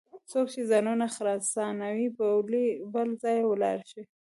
څوک چې ځانونه خراسانیان بولي بل ځای ولاړ شي.